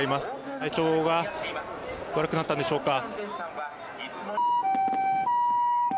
体調が悪くなったんでしょうか。